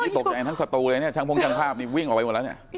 นี่ตกใจทั้งศัตรูเลยเนี้ยทั้งโพงทั้งภาพนี่วิ่งออกไปหมดแล้วเนี้ย